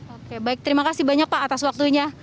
oke baik terima kasih banyak pak atas waktunya